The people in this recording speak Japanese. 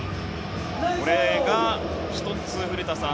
これが１つ、古田さん。